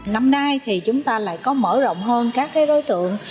năm nay thì chúng ta lại có mở rộng hơn các đối tượng